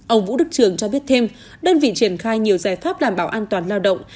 ông vũ đức trường cho biết thêm đơn vị triển khai nhiều giải pháp đảm bảo an toàn lao động